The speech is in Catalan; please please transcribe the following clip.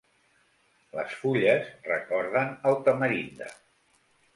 Les fulles recorden al tamarinde.